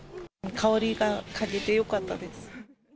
香りが嗅げてよかったです。